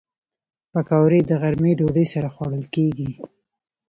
پکورې د غرمې ډوډۍ سره خوړل کېږي